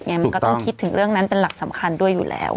มันก็ต้องคิดถึงเรื่องนั้นเป็นหลักสำคัญด้วยอยู่แล้ว